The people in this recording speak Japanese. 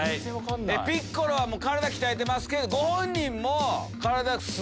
ピッコロは体鍛えてますけど。